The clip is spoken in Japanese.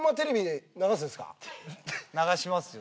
流しますよ